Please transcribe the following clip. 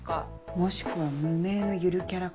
もしくは無名のゆるキャラ感。